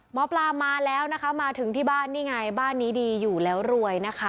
หมอปลามาแล้วนะคะมาถึงที่บ้านนี่ไงบ้านนี้ดีอยู่แล้วรวยนะคะ